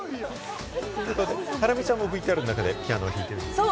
ハラミちゃんもＶＴＲの中でピアノ弾いているんですか？